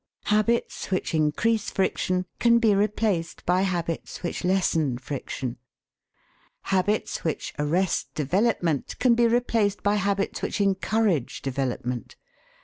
Habits which increase friction can be replaced by habits which lessen friction. Habits which arrest development can be replaced by habits which encourage development.